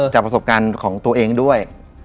จากประสบการณ์ของตัวเองด้วย